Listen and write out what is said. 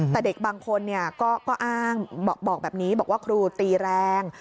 แต่เด็กบางคนก็อ้างบอกแบบนี้บอกว่าครูตีแรง